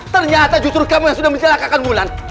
ternyata justru kamu yang sudah mencelakakan bulan